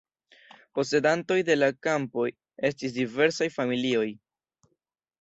Posedantoj de la kampoj estis diversaj familioj.